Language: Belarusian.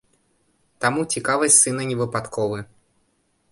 Таму цікавасць сына не выпадковы.